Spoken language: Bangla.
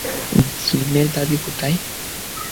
জিমের দাদি কোথায়?